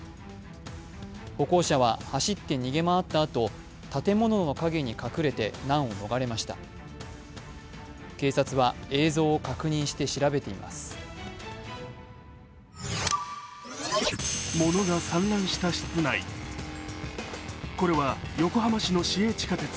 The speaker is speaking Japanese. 歩行者は走って逃げ回ったあと、建物の陰に隠れて難を逃れました。